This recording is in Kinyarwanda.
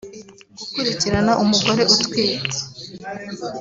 gukurikirana umugore utwite